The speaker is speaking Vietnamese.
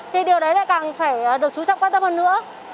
thì điều đấy lại càng phải được chú trọng quan tâm hơn nữa